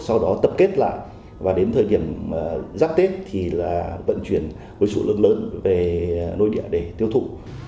sau đó tập kết lại và đến thời điểm giáp tết thì là vận chuyển với sự lớn lớn về nôi địa để tiêu thụ